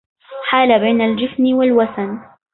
حال بين الجفن والوسن